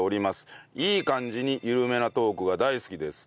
いい感じに緩めなトークが大好きです。